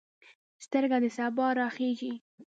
سترګه د سبا راخیژې